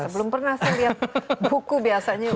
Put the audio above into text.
belum pernah saya lihat buku biasanya